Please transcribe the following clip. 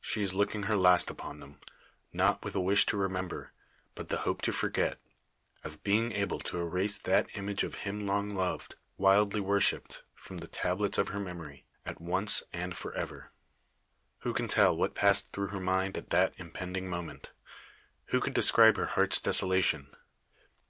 She is looking her last upon them not with a wish to remember, but the hope to forget of being able to erase that image of him long loved, wildly worshipped, from the tablets of her memory, at once and for ever. Who can tell what passed through her mind at that impending moment? Who could describe her heart's desolation?